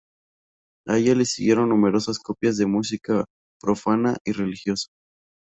A ella le siguieron numerosas copias de música profana y religiosa.